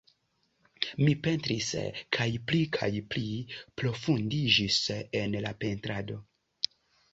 Mi pentris kaj pli kaj pli profundiĝis en la pentrado.